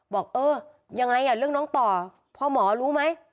บอกเออยังไงเรื่องน้องต่อพ่อหมอรู้ไหม